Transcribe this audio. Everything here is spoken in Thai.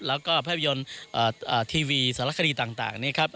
แล้วก็ภาพยนตร์ทีวีสารคดีต่างนี้ครับ